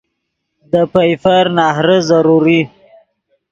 دے پئیفر نہرے ضروری